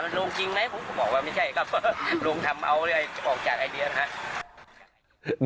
มันโรงจริงไหมผมก็บอกว่าไม่ใช่ครับโรงทำเอาอะไรออกจากไอเดียนะฮะ